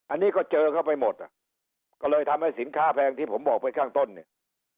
อันนี้ก็เจอเข้าไปหมดอ่ะก็เลยทำให้สินค้าแพงที่ผมบอกไปข้างต้นเนี่ย